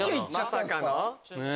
まさかの？